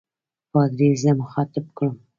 پادري زه مخاطب کړم.